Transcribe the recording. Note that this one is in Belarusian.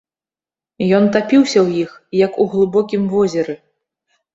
Ён тапіўся ў іх, як у глыбокім возеры.